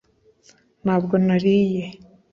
ntabwo nariye